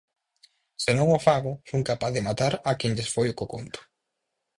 Se non o fago, son capaz de matar a quen lles foi co conto.